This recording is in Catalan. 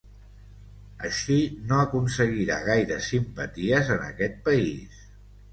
Així no aconseguirà gaires simpaties en aquest país.